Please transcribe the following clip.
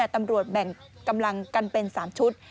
ตำรวจแบ่งกำลังกันเป็น๓ชุด